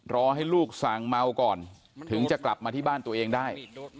รอให้ลูกสั่งเมาก่อนถึงจะกลับมาที่บ้านตัวเองได้